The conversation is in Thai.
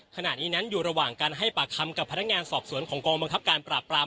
ขณะนี้นั้นอยู่ระหว่างการให้ปากคำกับพนักงานสอบสวนของกองบังคับการปราบปราม